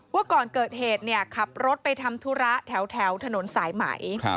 ว่าก่อนเกิดเหตุขับรถไปทำธุระแถวถนนสายไหม